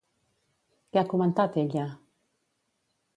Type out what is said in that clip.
Què ha comentat ella?